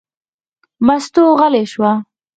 مستو غلې شوه.